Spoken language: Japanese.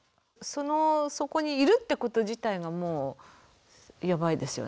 そのそこにいるってこと自体がもうヤバいですよね。